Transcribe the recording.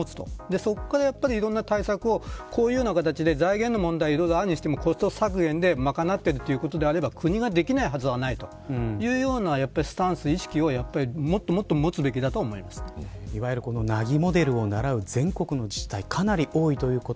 そこからいろんな対策をこういう形で、財源の問題があるにしてもコスト削減で賄っているであれば国ができないはずがないというスタンス、意識をいわゆる奈義モデルを習う全国の自治体がかなり多いということ。